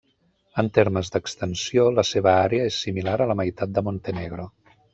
En termes d'extensió, la seva àrea és similar a la meitat de Montenegro.